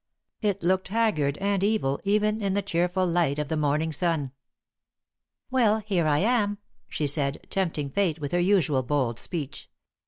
It looked haggard and evil even in the cheerful light of the morning sun. "Well, here I am!" she said, tempting Fate with her usual bold speech.